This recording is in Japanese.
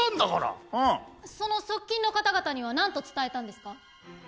その側近の方々には何と伝えたんですか？